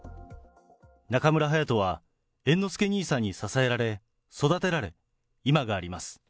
中村隼人は猿之助兄さんに支えられ育てられ、今があります。